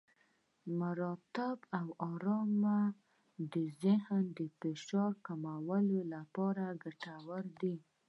مراقبه او ارامۍ د ذهن د فشار کمولو لپاره ګټورې دي.